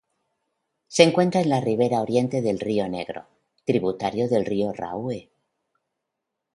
Se encuentra en la ribera oriente del Río Negro, tributario del Río Rahue.